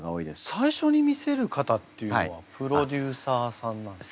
最初に見せる方っていうのはプロデューサーさんなんですか？